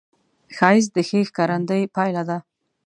ښایست د ښې ښکارندې پایله ده